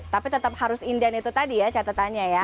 tapi tetap harus indian itu tadi ya catetannya ya